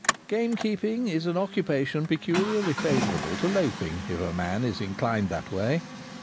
Gamekeeping is an occupation peculiarly favour able to loafing if a man is inclined that way.